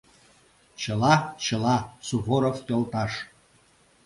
— Чыла, чыла, Суворов йолташ!